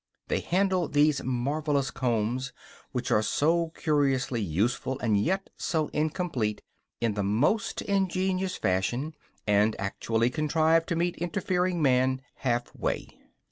They handle these marvelous combs, which are so curiously useful and yet so incomplete, in the most ingenious fashion, and actually contrive to meet interfering man half way.